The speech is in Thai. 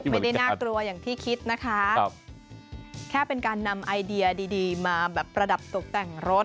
ไม่ได้น่ากลัวอย่างที่คิดนะคะแค่เป็นการนำไอเดียดีมาแบบประดับตกแต่งรถ